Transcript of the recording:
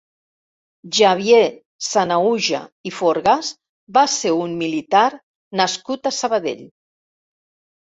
Xavier Sanahuja i Forgas va ser un militar nascut a Sabadell.